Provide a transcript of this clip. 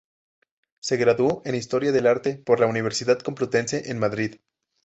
Se graduó en Historia del Arte por la Universidad Complutense en Madrid.